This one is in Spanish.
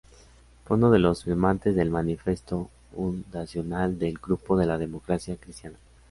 Fue uno de los firmantes del manifiesto fundacional del Grupo de la Democracia Cristiana.